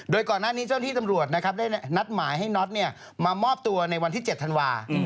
โดยก่อนหน้านี้เจ้าหน้าที่ตำรวจนะครับได้นัดหมายให้น็อตมามอบตัวในวันที่๗ธันวา